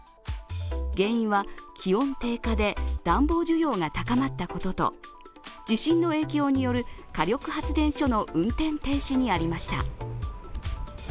原因は、気温低下で暖房需要が高まったことと地震の影響による火力発電所の運転停止にありました。